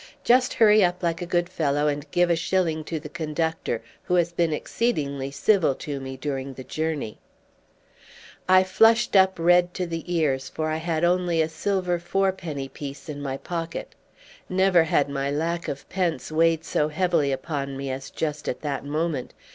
"Just hurry up like a good fellow and give a shilling to the conductor, who has been exceedingly civil to me during the journey." I flushed up red to the ears, for I had only a silver fourpenny piece in my pocket. Never had my lack of pence weighed so heavily upon me as just at that moment.